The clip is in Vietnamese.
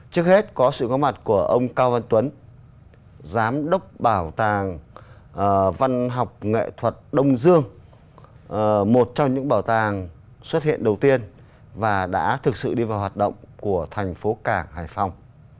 trước hết có sự có mặt của ông cao văn tuấn giám đốc bảo tàng văn học nghệ thuật đông dương một trong những bảo tàng xuất hiện đầu tiên và đã thực sự đi vào hoạt động của thành phố cảng hải phòng